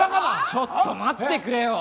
ちょっと待ってくれよ！